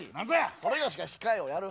それがしが「控え」をやる。